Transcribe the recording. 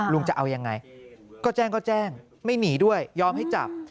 ลุงจะเอายังไงก็แจ้งก็แจ้งไม่หนีด้วยยอมให้จับ